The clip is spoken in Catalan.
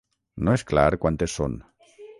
No és clar quantes són.